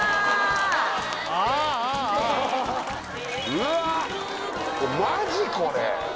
うわっマジこれ？